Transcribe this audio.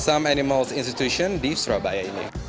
saham animals institution di surabaya ini